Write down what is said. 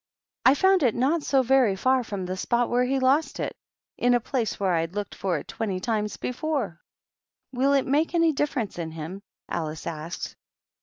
I found it not 80 very far from the spot where he lost it, in a place where I'd looked for it twenty times be fore." "Will it make any difference in him?" Alice asked.